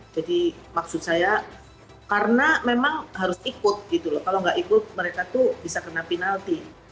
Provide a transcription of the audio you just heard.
maksud saya karena memang harus ikut gitu loh kalau nggak ikut mereka tuh bisa kena penalti